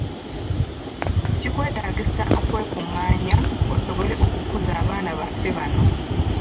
Kikwetaagisa okwekung'aanya osobole okukuza abaana baffe bano.